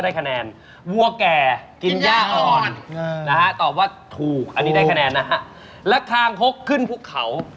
วัวแก่กินย่าอ่อนนะฮะตอบว่าถูกอันนี้ได้คะแนนนะฮะแล้วคางคกขึ้นภูเขา